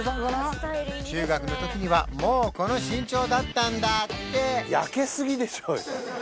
中学のときにはもうこの身長だったんだって焼けすぎでしょ